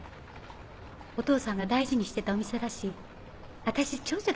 お父さんが大事にしてたお店だし私長女だから。